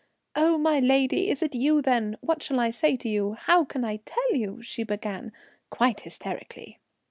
"'Oh, my lady! It is you, then? What shall I say to you? How can I tell you?' she began, quite hysterically.